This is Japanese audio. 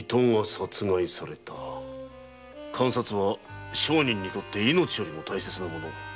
鑑札は商人にとって命よりも大切なものだ。